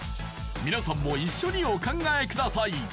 皆さんも一緒にお考えください